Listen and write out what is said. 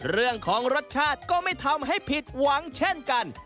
เรื่องของรสชาติก็ไม่ทำให้ผิดหวังเช่นกัน